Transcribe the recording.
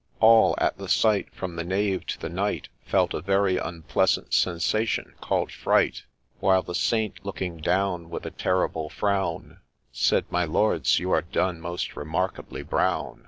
— All at the sight, From the knave to the knight, Felt a very unpleasant sensation, call'd fright ; While the Saint, looking down, With a terrible frown, Said, ' My Lords, you are done most remarkably brown